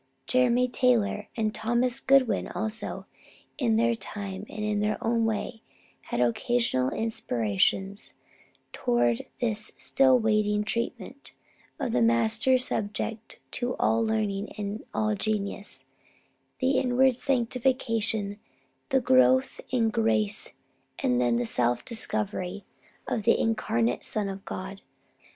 Jeremy Taylor and Thomas Goodwin also, in their own time and in their own way, had occasional inspirations toward this still waiting treatment of the master subject of all learning and all genius the inward sanctification, the growth in grace, and then the self discovery of the incarnate Son of God.